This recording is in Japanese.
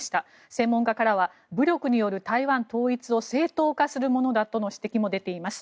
専門家からは武力による台湾統一を正当化するものだとの指摘も出ています。